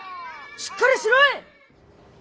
しっかりしろ！